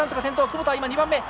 窪田は今２番目。